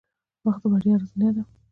• وخت د بریا زینه ده.